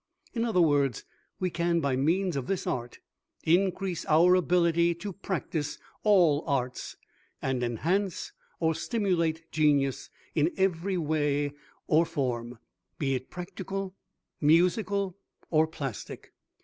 In other words, we can by means of this Art increase our ability to practice all arts, and enhance or stimulate Genius in every way or form, be it practical, musical or plastic.